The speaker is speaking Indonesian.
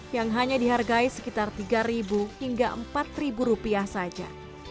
yang hanya dihargai sekitar rp tiga hingga rp empat saja